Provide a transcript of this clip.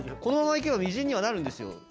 このままいけばみじんにはなるんですよ